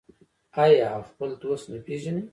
آیا او خپل دوست نه پیژني؟